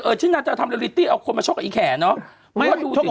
ชิคกี้พายมันจะทำนิยมจำแรงจำเอาคนมาชกกับไอ้แข๋เนอะ